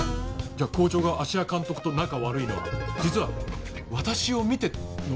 じゃあ校長が芦屋監督と仲悪いのは実は「私を見て！」の裏返し？